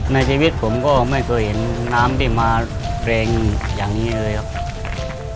ในชีวิตผมก็ไม่เคยเห็นน้ำที่มาแรงอย่างนี้เลยครับ